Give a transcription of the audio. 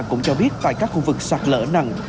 cũng cho biết tại các khu vực sạc lỡ nặng